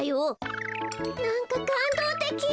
なんかかんどうてき！